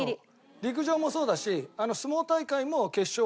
陸上もそうだし。